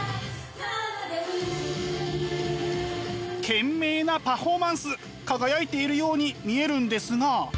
懸命なパフォーマンス輝いているように見えるんですが。